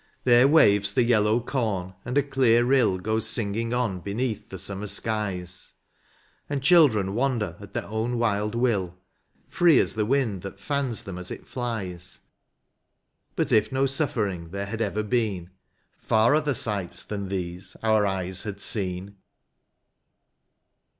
There waves the yellow com, and a clear rill Goes singing on beneath the summer skies, And children wander at their own wild will. Free as the wind that fans them as it flies ; But if no suflfering there had ever been, Far other sights than these our eyes had seen.